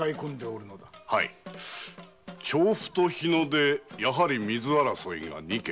調布と日野でやはり水争いが二件。